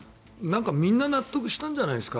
みんな納得したんじゃないですか。